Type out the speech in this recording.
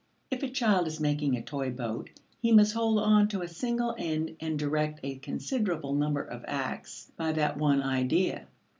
If a child is making a toy boat, he must hold on to a single end and direct a considerable number of acts by that one idea.